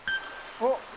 おっ。